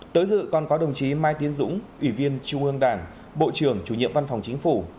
tới dự còn có đồng chí mai tiến dũng ủy viên trung ương đảng bộ trưởng chủ nhiệm văn phòng chính phủ